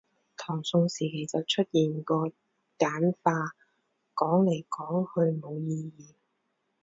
唐宋時期就出現過簡化，講來講去冇意義